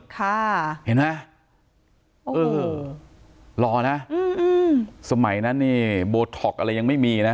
ค่ะเห็นไหมเออรอนะสมัยนั้นนี่โบท็อกซ์อะไรยังไม่มีนะ